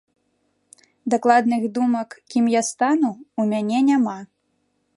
Дакладных думак, кім я стану, у мяне няма.